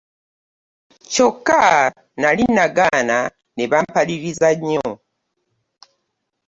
Kyoka nali naagana nebampaliriza nyo.